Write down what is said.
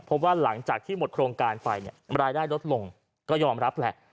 เพราะว่าหลังจากที่หมดโครงการไปเนี่ยรายได้ลดลงก็ยอมรับแหละ